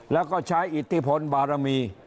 แล้วก็ใช้อิทธิพลบารมี